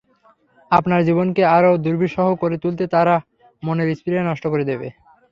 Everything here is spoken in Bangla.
আপনার জীবনকে আরও দুর্বিষহ করে তুলতে তাঁরা, মনের স্পৃহা নষ্ট করে দেবে।